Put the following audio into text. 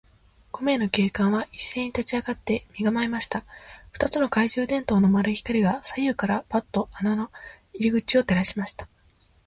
五名の警官はいっせいに立ちあがって、身がまえました。二つの懐中電燈の丸い光が、左右からパッと穴の入り口を照らしました。